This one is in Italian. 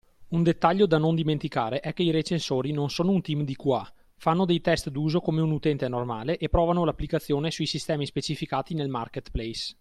Un dettaglio da non dimenticare è che i recensori non sono un team di QA, fanno dei test d’uso come un utente normale e provano l’applicazione sui sistemi specificati nel marketplace.